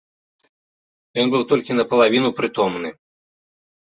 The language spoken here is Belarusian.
Ён быў толькі напалавіну прытомны.